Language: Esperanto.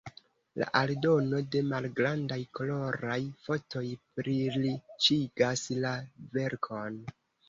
La aldono de malgrandaj koloraj fotoj pliriĉigas la verkon.